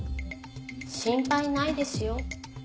心配ないですよ。